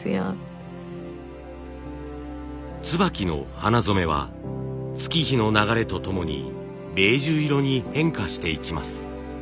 椿の花染めは月日の流れとともにベージュ色に変化していきます。